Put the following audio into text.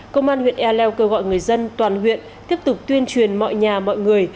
công an huyện ea leo kêu gọi người dân toàn huyện tiếp tục tuyên truyền mọi nhà mọi người